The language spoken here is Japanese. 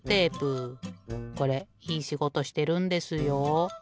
これいいしごとしてるんですよ。